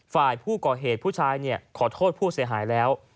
ฝ่ายผู้ก่อเหตุผู้ชายขอโทษผู้เสียหายแล้ว